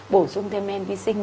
bổ sung thêm men vi sinh